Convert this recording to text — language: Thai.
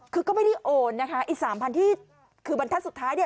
คือก็ไม่ได้โอนนะคะอีกสามพันที่คือบรรทัศน์สุดท้ายเนี่ย